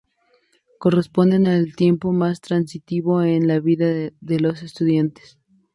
Corresponde al tiempo más transitivo en la vida de los estudiantes.